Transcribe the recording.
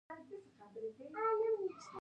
بادرنګ بدن ته رڼا بښي.